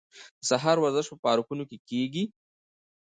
د سهار ورزش په پارکونو کې کیږي.